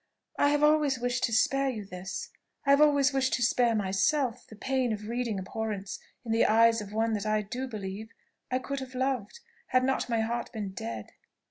"I have always wished to spare you this I have always wished to spare myself the pain of reading abhorrence in the eyes of one that I do believe I could have loved, had not my heart been dead."